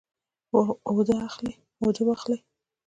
اوده واخلئ